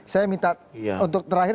saya minta untuk terakhir